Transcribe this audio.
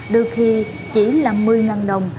đôi khi chỉ là một mươi ngàn đồng